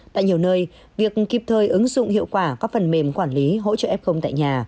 tại nhiều nơi việc kịp thời ứng dụng hiệu quả các phần mềm quản lý hỗ trợ f tại nhà